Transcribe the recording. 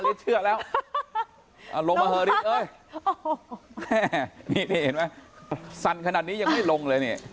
ติ๊กเชื่อแล้วลงมาเถอะนี่เห็นไหมสันขนาดนี้ยังไม่ลงเลยเนี่ย